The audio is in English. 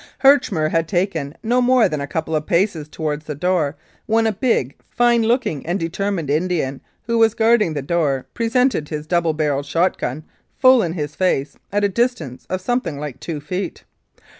Herchmer had taken no more than a couple of paces toward the door when a big, fine looking and determined Indian, who was guarding the door, presented his double barrelled shot gun full in his face at a distance of something like two feet.